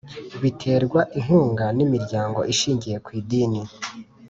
Baterwa inkunga n’ Imiryango ishingiye ku Idini